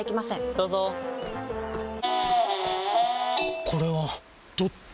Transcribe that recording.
どうぞこれはどっち？